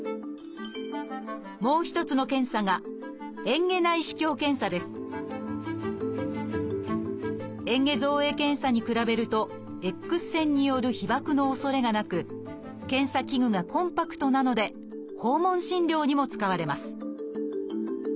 もう一つの検査がえん下造影検査に比べるとＸ線による被ばくのおそれがなく検査器具がコンパクトなので訪問診療にも使われます